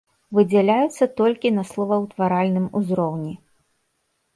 Выдзяляюцца толькі на словаўтваральным узроўні.